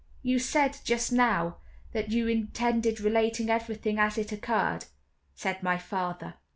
"You said, just now, that you intended relating everything as it occurred," said my father.